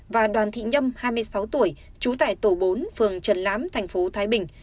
và đoàn thị nhâm hai mươi sáu tuổi trú tải tổ bốn phường trần lám thành phố thái bình